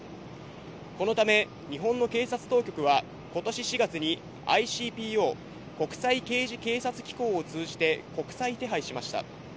このため、日本の警察当局は、ことし４月にＩＣＰＯ・国際刑事警察機構を通じて、国際手配しました。